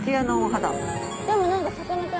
でも何かさかなクン。